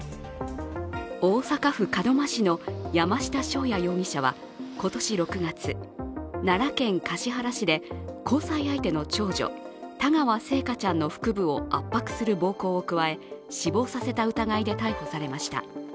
大阪府門真市の山下翔也容疑者は、今年６月、奈良県橿原市で交際相手の長女田川星華ちゃんの腹部を圧迫する暴行を加え、死亡させた疑いで逮捕されました。